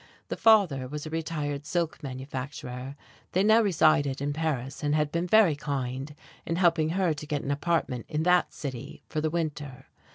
The father was a retired silk manufacturer; they now resided in Paris, and had been very kind in helping her to get an apartment in that city for the winter.